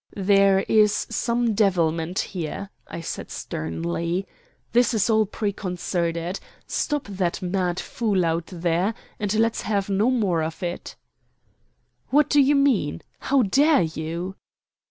"There is some devilment here," I said sternly. "This is all preconcerted. Stop that mad fool out there, and let's have no more of it." "What do you mean? How dare you?"